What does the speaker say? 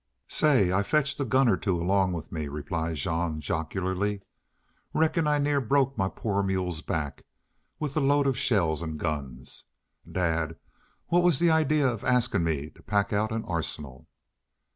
"Say, I fetched a gun or two along with me," replied Jean, jocularly. "Reckon I near broke my poor mule's back with the load of shells an' guns. Dad, what was the idea askin' me to pack out an arsenal?"